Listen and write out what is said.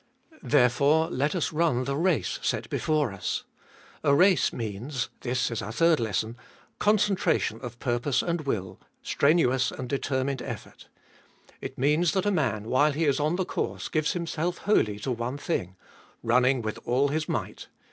Therefore, let us run the race set before us. A race means, this is our third lesson, concentration of purpose and will, strenuous and determined effort. It means that a man while he is on the course gives himself wholly to one thing — running with all his might.